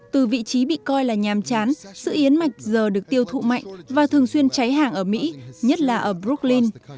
từ vị trí bị coi là nhàm chán sự yến mạch giờ được tiêu thụ mạnh và thường xuyên cháy hàng ở mỹ nhất là ở brooklyn